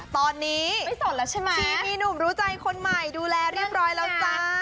ตอนนี้ทีมีหนุ่มรู้ใจคนใหม่ดูแลเรียบร้อยแล้วจ้า